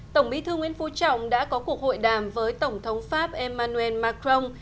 tổng bí thư nguyễn phú trọng đã có cuộc hội đàm với tổng thống pháp emmanuel macron